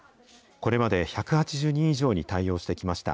これまで１８０人以上に対応してきました。